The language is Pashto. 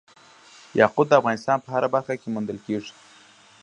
یاقوت د افغانستان په هره برخه کې موندل کېږي.